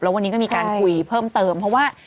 วันนี้ก็มีการคุยเพิ่มเติมเพราะว่า